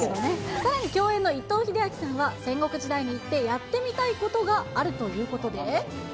さらに共演の伊藤英明さんは、戦国時代に行ってやってみたいことがあるということで。